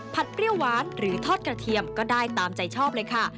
เปรี้ยวหวานหรือทอดกระเทียมก็ได้ตามใจชอบเลยค่ะ